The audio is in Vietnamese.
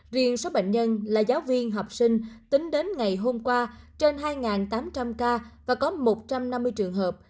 riêng số bệnh nhân là giáo viên học sinh tính đến ngày hôm qua trên hai tám trăm linh ca và có một trăm năm mươi trường hợp